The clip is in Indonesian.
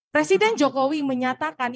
presiden jokowi menyatakan